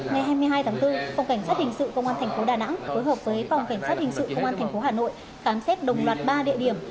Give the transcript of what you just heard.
ngày hai mươi hai tháng bốn phòng cảnh sát hình sự công an thành phố đà nẵng phối hợp với phòng cảnh sát hình sự công an tp hà nội khám xét đồng loạt ba địa điểm